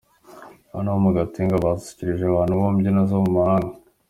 Abana bo mu Gatenga basusurikje abantu mu mbyino zo mu mahanga.